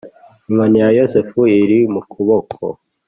inkoni ya Yozefu iri mu kuboko